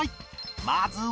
まずは